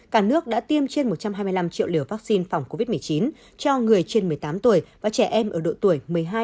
cả nước đã tiêm trên một trăm hai mươi năm triệu liều vaccine phòng covid một mươi chín cho người trên một mươi tám tuổi và trẻ em ở độ tuổi một mươi hai